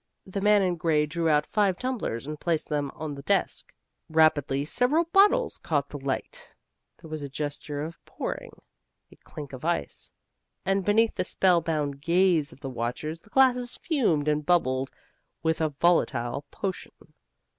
The man in gray drew out five tumblers and placed them on the desk. Rapidly several bottles caught the light: there was a gesture of pouring, a clink of ice, and beneath the spellbound gaze of the watchers the glasses fumed and bubbled with a volatile potion.